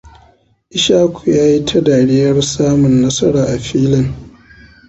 Ishaku ya yi ta dariyar samun nasara a filin.